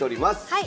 はい。